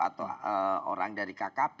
atau orang dari kakak